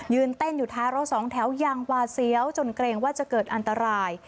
เต้นอยู่ท้ายรถสองแถวอย่างหวาดเสียวจนเกรงว่าจะเกิดอันตราย